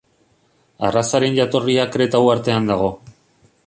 Arrazaren jatorria Kreta uhartean dago.